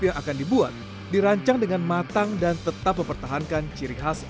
jean pidunya bagaimana rasa kamu membantu rundahar